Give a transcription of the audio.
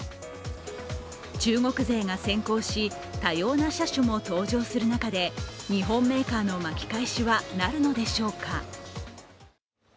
中国勢が先行し多様な車種も登場する中で日本メーカーの巻き返しはなるのでしょうか。